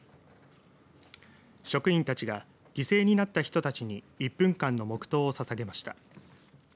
職員たちが犠牲になった人たちに１分間の黙とうをささげました。